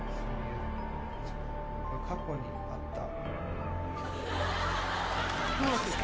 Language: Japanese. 過去にあった。